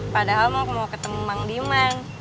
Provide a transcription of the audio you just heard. padahal mau ketemu mang dimang